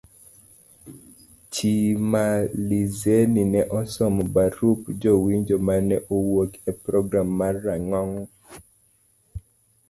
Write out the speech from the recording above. Chimalizeni ne osomo barup jowinjo ma ne owuok e program mar rang'ong